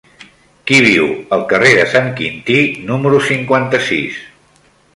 Qui viu al carrer de Sant Quintí número cinquanta-sis?